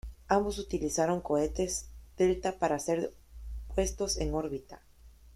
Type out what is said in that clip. Ambos utilizaron cohetes Delta para ser puestos en órbita.